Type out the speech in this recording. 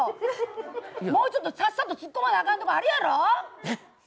もうちょっとさっさとつっこまなあかんところあるやろ？